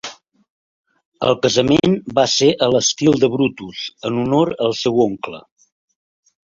El casament va ser a l'estil de Brutus, en honor al seu oncle.